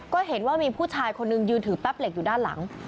ก็เห็นว่ามีผู้ชายคนนึงยืนถือแป๊บเหล็กอยู่ด้านหลัง